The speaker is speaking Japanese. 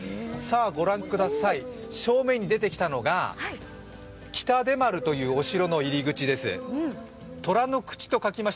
ご覧ください、正面に出てきたのが北出丸というお城の入り口です。